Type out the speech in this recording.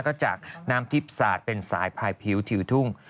ก็จากน้ำทิพย์สาดเป็นสายพายผิวทุ่ง